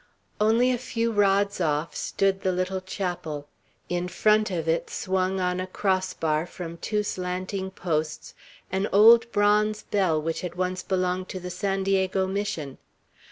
Only a few rods off stood the little chapel; in front of it swung on a cross bar from two slanting posts an old bronze bell which had once belonged to the San Diego Mission.